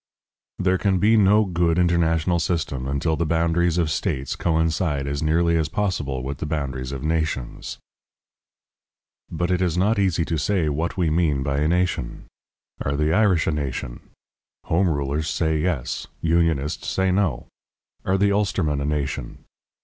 There can be no good international system until the boundaries of states coincide as nearly as possible with the boundaries of nations. But it is not easy to say what we mean by a nation. Are the Irish a nation? Home Rulers say yes, Unionists say no. Are the Ulstermen a nation?